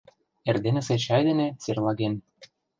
Эрденысе чай дене серлаген.